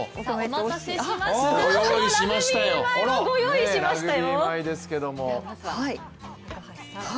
お待たせしました、ラグビー米をご用意しましたよ。